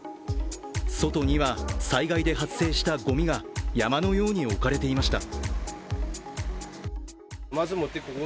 外には災害で発生したごみが山のように置かれていました。